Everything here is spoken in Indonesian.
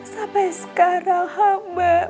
sampai sekarang habah